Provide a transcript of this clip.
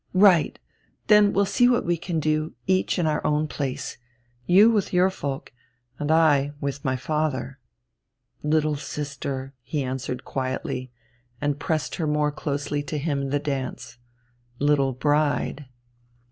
"Right; then we'll see what we can do, each in our own place. You with your folk and I with my father." "Little sister," he answered quietly, and pressed her more closely to him in the dance. "Little bride."